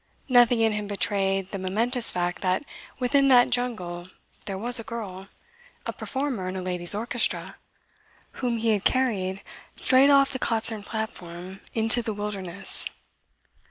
Nothing in him betrayed the momentous fact that within that jungle there was a girl, a performer in a ladies' orchestra, whom he had carried straight off the concert platform into the wilderness.